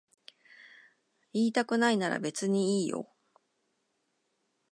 言いたくないなら別にいいよ。